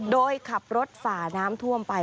โดยขับรถฝ่าน้ำท่วมไป